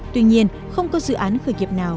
tuy nhiên không có dự án khởi nghiệp nào